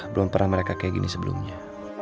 belum pernah mereka kayak gini sebelumnya